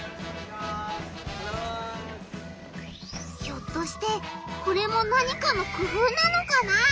ひょっとしてこれも何かのくふうなのかな？